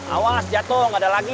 awas jatuh nggak ada lagi